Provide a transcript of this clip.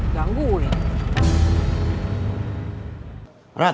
sekarang malah mau ke pasar